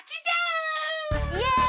イエイ！